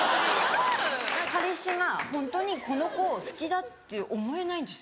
彼氏がホントにこの子を好きだって思えないんですよ。